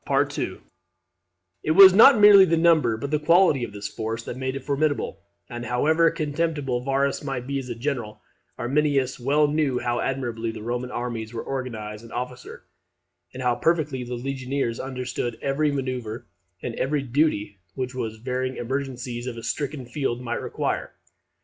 It was not merely the number, but the quality of this force that made it formidable; and however contemptible Varus might be as a general, Arminius well knew how admirably the Roman armies were organized and officered, and how perfectly the legionaries understood every manoeuvre and every duty which the varying emergencies of a stricken field might require.